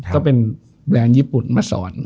ก็เป็นแบรนด์ญี่ปุ่นมาสอน